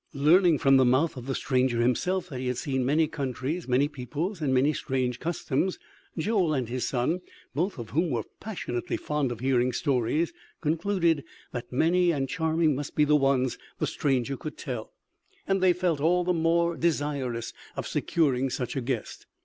Learning from the mouth of the stranger himself that he had seen many countries, many peoples and many strange customs, Joel and his son, both of whom were passionately fond of hearing stories, concluded that many and charming must be the ones the stranger could tell, and they felt all the more desirous of securing such a guest.